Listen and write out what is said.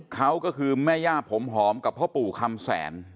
เขาก็คือแม่ย่าผมหอมกับพ่อปู่คำแสน